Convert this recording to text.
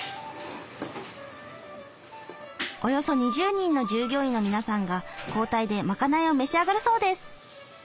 およそ２０人の従業員の皆さんが交代でまかないを召し上がるそうです。